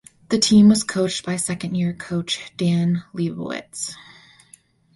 The team was coached by second year coach Dan Leibovitz.